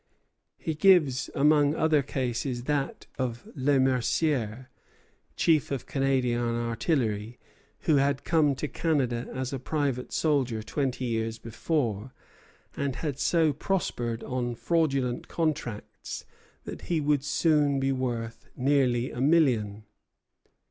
He gives among other cases that of Le Mercier, chief of Canadian artillery, who had come to Canada as a private soldier twenty years before, and had so prospered on fraudulent contracts that he would soon be worth nearly a million.